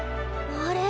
あれ？